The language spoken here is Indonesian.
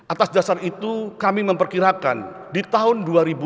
atas dasar itu kami memperkirakan di tahun dua ribu dua puluh